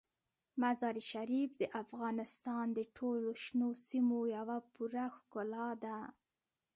مزارشریف د افغانستان د ټولو شنو سیمو یوه پوره ښکلا ده.